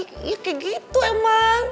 ya kayak gitu emang